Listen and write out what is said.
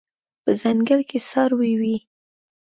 په ځنګل کې څاروي وي